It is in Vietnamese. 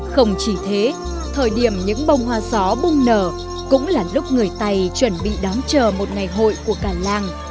không chỉ thế thời điểm những bông hoa gió bung nở cũng là lúc người tày chuẩn bị đón chờ một ngày hội của cả làng